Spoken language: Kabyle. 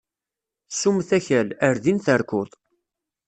Ssummet akal, ar din terkuḍ.